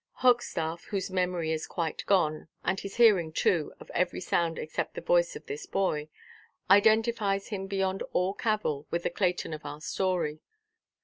Hogstaff, whose memory is quite gone, and his hearing too of every sound except the voice of this boy, identifies him beyond all cavil with the Clayton of our story.